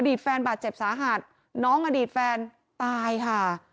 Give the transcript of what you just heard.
แฟนบาดเจ็บสาหัสน้องอดีตแฟนตายค่ะ